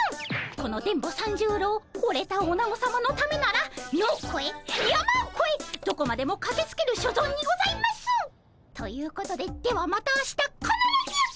この電ボ三十郎ほれたおなごさまのためなら野をこえ山をこえどこまでもかけつける所存にございます！ということでではまた明日かならず！